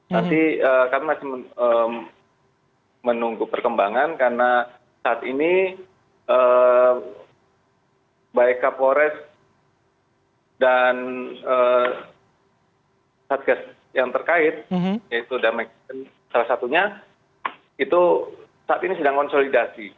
tapi kami masih menunggu perkembangan karena saat ini baik kapolres dan satgas yang terkait yaitu damaikan salah satunya itu saat ini sedang konsolidasi